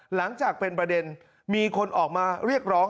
หลังจากเป็นประเด็นมีคนออกมาเรียกร้อง